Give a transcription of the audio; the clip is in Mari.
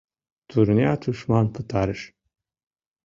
Турня тушман пытарыш.